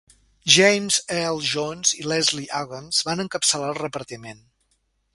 James Earl Jones i Leslie Uggams van encapçalar el repartiment.